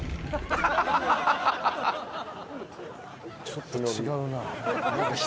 ちょっと違うな。